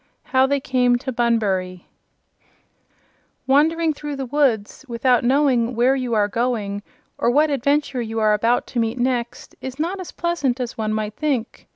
How They Came to Bunbury Wandering through the woods, without knowing where you are going or what adventure you are about to meet next, is not as pleasant as one might think.